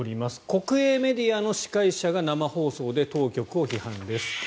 国営メディアの司会者が生放送で当局を批判です。